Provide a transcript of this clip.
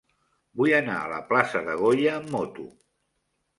Vull anar a la plaça de Goya amb moto.